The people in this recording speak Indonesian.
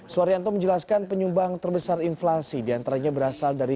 suharyanto menjelaskan penyumbang terbesar inflasi diantaranya berasal dari